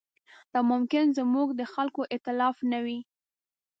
دا ممکن زموږ د خلکو اختلاف نه وي.